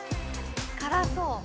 ・辛そう